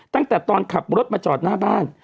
ตั้งแต่ตอนขับรถมาจอดหน้าบ้าน